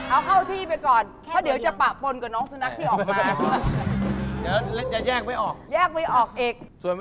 เออน่ารักอ่ะ